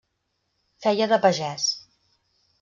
Feia de pagès.